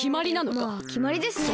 まあきまりですね。